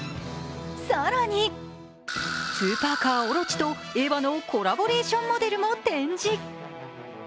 更に、スーパーカー・オロチと「エヴァ」のコラボレーションモデルも展示。